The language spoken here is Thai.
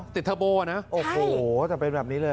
ติดเทอร์โบนะ